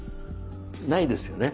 ないですよね。